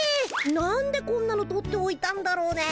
なんでこんなの取っておいたんだろうね。